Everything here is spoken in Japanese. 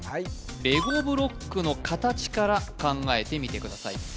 レゴブロックの形から考えてみてください